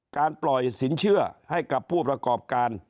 การปล่อยสินเชื่อให้กับผู้ประกอบการ